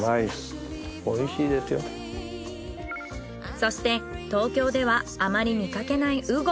そして東京ではあまり見かけないうご。